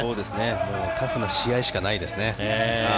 タフな試合しかないですね。